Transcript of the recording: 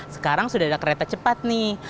sekarang sudah ada kereta cepat nih